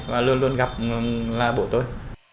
và luôn luôn gặp là bố tôi